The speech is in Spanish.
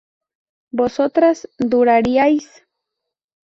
vosotras dudaríais